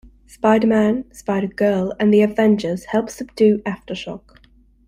Spider-Man, Spider-Girl, and the Avengers help subdue Aftershock.